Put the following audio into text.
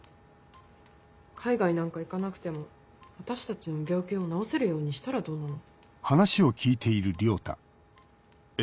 海外なんか行かなくても私たちの病気を治せるようにしたらどうなの？